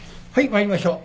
参りましょう。